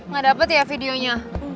gak dapet ya videonya